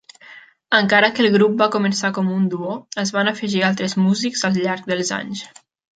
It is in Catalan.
Encara que el grup va començar com un duo, es van afegir altres músics al llarg dels anys.